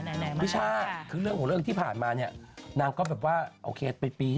นางคิดแบบว่าไม่ไหวแล้วไปกด